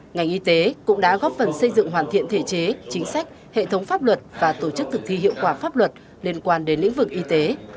ngành y tế cũng đã góp phần xây dựng hoàn thiện thể chế chính sách hệ thống pháp luật và tổ chức thực thi hiệu quả pháp luật liên quan đến lĩnh vực y tế